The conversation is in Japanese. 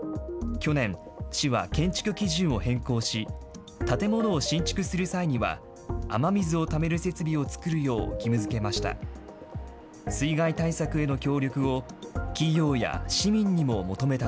去年、市は建築基準を変更し、建物を新築する際には、雨水をためる設備を作るよう義務づけました。